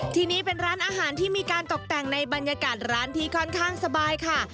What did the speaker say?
ที่นี่เป็นร้านอาหารที่มีการตกแต่งในบรรยากาศร้านที่ค่อนข้างสบายค่ะ